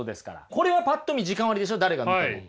これはパッと見時間割でしょ誰が見ても。